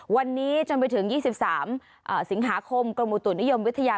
วันนี้จนไปถึง๒๓สิงหาคมกรมอุตุนิยมวิทยา